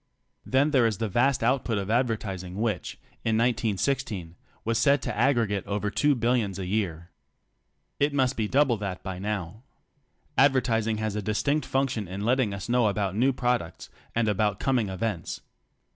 Then there is the vast output of advertis ing which, in 1916, was said to aggregate over 2 billions a year. (It must be double that by now.) Advertising has a distinct function in letting us know about new products, and about coming events.